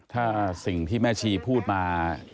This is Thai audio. ถ้าสิ่งที่แม่ชีพูดมา